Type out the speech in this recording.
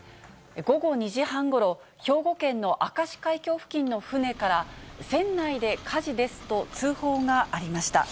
午後２時半ごろ、兵庫県の明石海峡付近の船から、船内で火事ですと通報がありました。